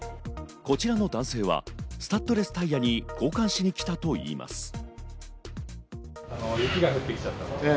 こちらの男性はスタッドレスタイヤに交換しに来たといいます。